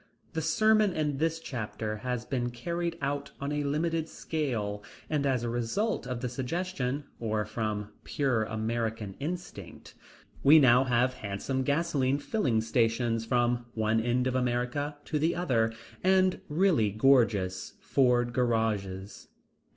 The sermon in this chapter has been carried out on a limited scale, and as a result of the suggestion, or from pure American instinct, we now have handsome gasoline filling stations from one end of America to the other, and really gorgeous Ford garages.